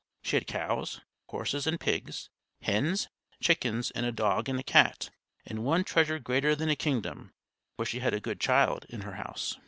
She had cows, horses, and pigs, hens, chickens, and a dog and a cat, and one treasure greater than a kingdom, for she had a good child in her house.